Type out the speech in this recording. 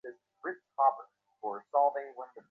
আশা লজ্জায় মরিয়া গিয়া কোনোমতে ঘর হইতে বাহির হইয়া গেল।